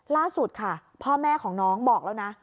ล่าสุดค่ะพ่อแม่ของน้องบอกแล้วนะ